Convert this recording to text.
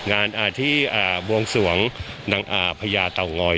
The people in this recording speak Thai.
งานที่บวงสวงนางอาพพญาเต่างอย